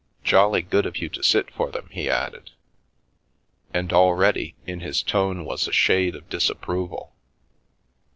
" Jolly good of you to sit for them," he added. And, already, in his tone was a shade of disapproval.